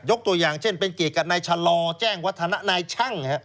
ตัวอย่างเช่นเป็นเกียรติกับนายชะลอแจ้งวัฒนะนายช่าง